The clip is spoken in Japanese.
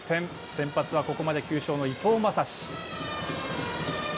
先発はここまで９勝の伊藤将司。